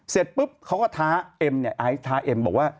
เสร็จปุ๊บเขาก็ท้าเอ็มเนี่ยไอซ์ท้าเอ็มบอกว่า